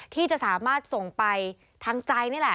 ที่จะสามารถส่งไปทางใจนี่แหละ